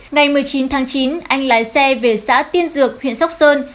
ngày một mươi chín tháng chín anh lái xe về xã tiên dược huyện sóc sơn